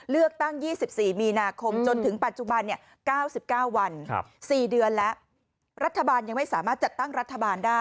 เลือกตั้ง๒๔มีนาคมจนถึงปัจจุบัน๙๙วัน๔เดือนแล้วรัฐบาลยังไม่สามารถจัดตั้งรัฐบาลได้